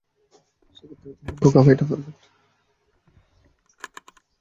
সেক্ষেত্রে তোমার বোকা ভাইটা পার্ফেক্ট।